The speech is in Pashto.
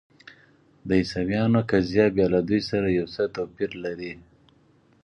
د عیسویانو قضیه بیا له دوی سره یو څه توپیر لري.